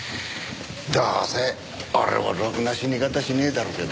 どうせ俺もろくな死に方しねえだろうけど。